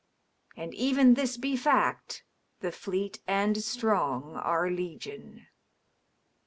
And even if this be fact, the fleet and strong are legion.